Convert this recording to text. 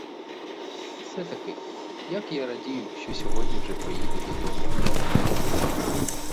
Все-таки як я радію, що сьогодні вже поїду додому.